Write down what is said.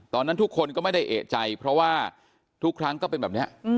ตอนนั้นทุกคนก็ไม่ได้เอกใจเพราะว่าทุกครั้งก็เป็นแบบนี้